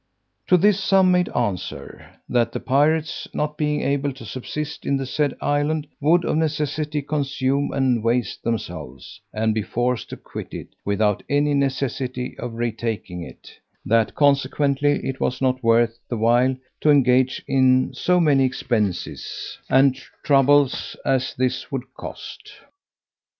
To this some made answer, "that the pirates, not being able to subsist in the said island, would of necessity consume and waste themselves, and be forced to quit it, without any necessity of retaking it: that consequently it was not worth the while to engage in so many expenses and troubles as this would cost."